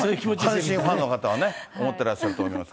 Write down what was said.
阪神ファンの方は思ってらっしゃると思います。